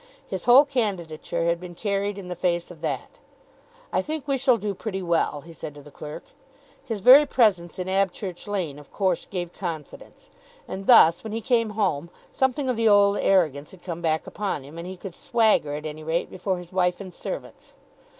His whole candidature had been carried in the face of that. "I think we shall do pretty well," he said to the clerk. His very presence in Abchurch Lane of course gave confidence. And thus, when he came home, something of the old arrogance had come back upon him, and he could swagger at any rate before his wife and servants.